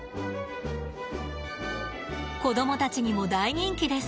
子供たちにも大人気です。